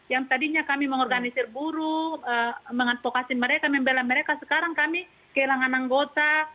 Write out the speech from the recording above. yang tadinya kami mengorganisir buru mengadvokasi mereka membela mereka sekarang kami kehilangan anggota